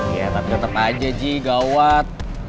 iya tapi tetep aja ji gawat